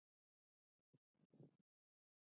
ایا تاسو مخکې داسې ناروغ درلود؟